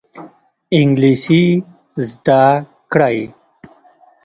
انګلیسي زده کړئ